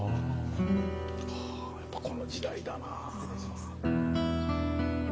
はぁやっぱこの時代だなあ。